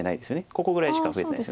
ここぐらいしか増えてないです。